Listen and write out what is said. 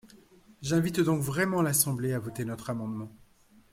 J’invite donc vraiment l’Assemblée à voter notre amendement.